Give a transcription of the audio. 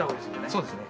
そうですね。